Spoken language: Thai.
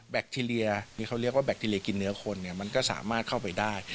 คทีเรียหรือเขาเรียกว่าแบคทีเรียกินเนื้อคนเนี่ยมันก็สามารถเข้าไปได้